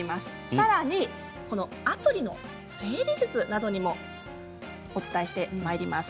さらにアプリの整理術などもお伝えしてまいります。